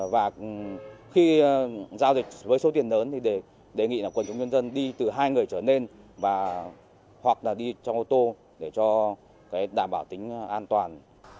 và khi giao dịch với số tiền lớn thì đề nghị quân chủ nhân dân đi từ hai người trở lên hoặc đi trong ô tô để đảm bảo tính an toàn